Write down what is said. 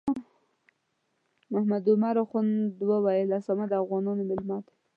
ملا محمد عمر اخند ویل اسامه د افغانانو میلمه دی.